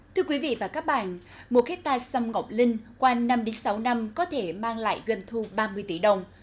thưa quý vị và các bạn một hectare sâm ngọc linh quanh năm sáu năm có thể mang lại doanh thu ba mươi tỷ đồng